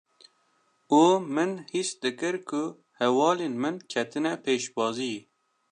û min hîs dikir ku hevalên min ketine pêşbaziyê;